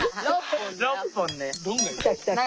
６本ね。